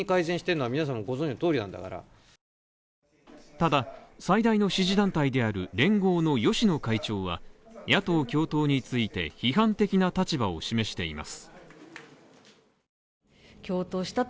ただ、最大の支持団体である連合の芳野会長は野党共闘について、批判的な立場を示しています。